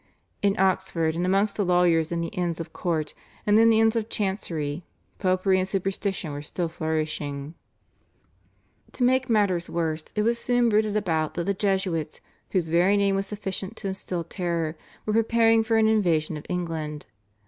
In Oxford and amongst the lawyers in the Inns of Court and in the Inns of Chancery popery and superstition were still flourishing. To make matters worse it was soon bruited about that the Jesuits, whose very name was sufficient to instil terror, were preparing for an invasion of England.